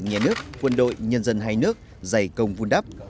nhà nước quân đội nhân dân hai nước dày công vun đắp